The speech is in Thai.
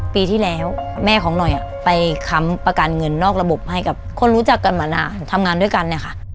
ปีที่แล้วแม่ของหน่อยไปค้ำประกันเงินนอกระบบให้กับคนรู้จักกันมานานทำงานด้วยกันเนี่ยค่ะ